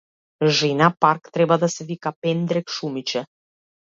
Жена парк треба да се вика пендрек шумиче!